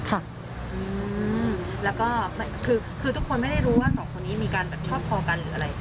ค่ะอืมแล้วก็คือทุกคนไม่ได้รู้ว่าสองคนนี้มีการแบบชอบพอกันหรืออะไร